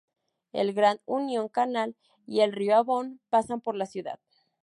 El Grand Union Canal y el río Avon pasan por la ciudad.